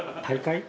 大会？